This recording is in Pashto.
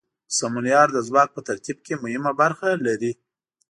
سمونیار د ځواک په ترتیب کې مهمه برخه لري.